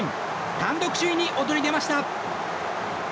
単独首位に躍り出ました。